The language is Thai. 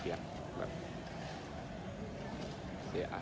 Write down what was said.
เสียอ่ะครับแบบรู้สึกตรงนั้นเป็นยังไง